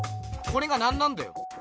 これが何なんだよ？